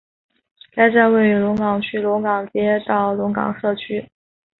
该站位于龙岗区龙岗街道龙岗社区。